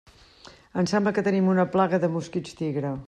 Em sembla que tenim una plaga de mosquits tigre.